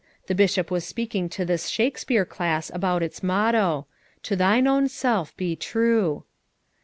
The Bishop was speaking to this Shakespeare class about its motto: "To thine own self he true.